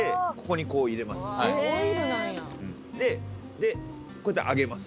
でこうやって上げます。